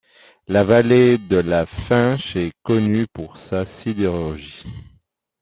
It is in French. La vallée de la Fensch est connue pour sa sidérurgie.